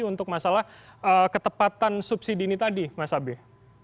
untuk masalah ketepatan subsidi ini tadi mas abe